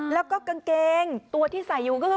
แล้วก็กางเกงตัวที่ใส่อยู่ก็คือ